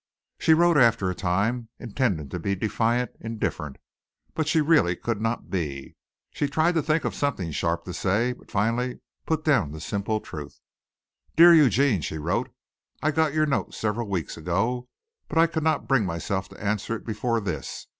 She wrote after a time, intending to be defiant, indifferent, but she really could not be. She tried to think of something sharp to say, but finally put down the simple truth. "Dear Eugene:" she wrote, "I got your note several weeks ago, but I could not bring myself to answer it before this.